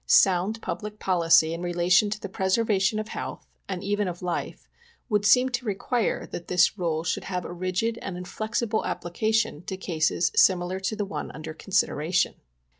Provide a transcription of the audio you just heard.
Sound public policy in relation to the preservation of health, and even of life, would seem to require that this rule should have a rigid and inflexible application to cases similar to the one under consideration."